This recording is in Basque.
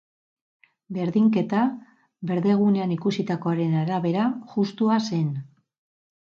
Berdinketa, berdegunean ikusitakoaren arabera, justua zen.